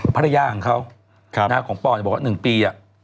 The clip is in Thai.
ภรรยาของเขาภรรยาของปอลเขาบอกว่า๑ปีอ่ะ